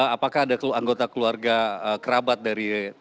apakah ada anggota keluarga kerabat dari